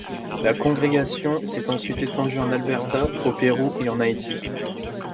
La congrégation s'est ensuite étendue en Alberta, au Pérou et en Haïti.